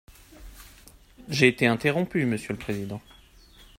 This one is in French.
J’ai été interrompu, monsieur le président.